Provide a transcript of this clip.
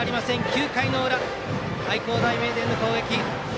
９回裏愛工大名電の攻撃です。